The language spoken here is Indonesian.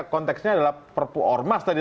konteksnya adalah perpuormas tadi